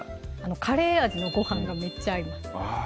カレー味のご飯がめっちゃ合います